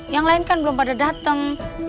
yang lain kan belum pada datang